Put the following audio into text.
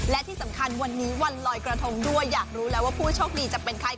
และที่สำคัญวันนี้วันลอยกระทงด้วยอยากรู้แล้วว่าผู้โชคดีจะเป็นใคร